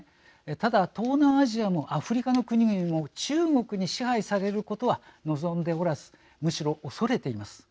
ただ、東南アジアもアフリカの国々も中国に支配されることは望んでおらずむしろ恐れています。